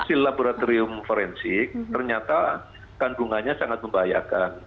hasil laboratorium forensik ternyata kandungannya sangat membahayakan